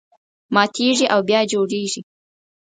ماتېږي او بیا جوړېږي.